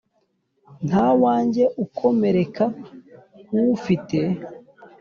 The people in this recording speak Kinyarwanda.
Ntawanjye ukomereka nku wufite